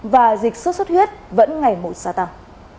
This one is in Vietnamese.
và dịch xuất xuất huyết vẫn ngày một xa tăng